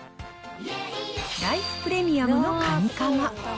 ライフプレミアムのかにかま。